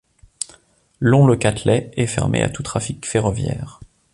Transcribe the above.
Long-Le Catelet est fermée à tout trafic ferroviaire.